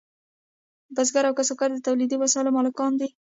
بزګر او کسبګر د تولیدي وسایلو مالکان دي.